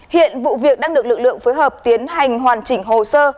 hiện vụ việc đang được lực lượng phối hợp tiến hành hoàn chỉnh hồ sơ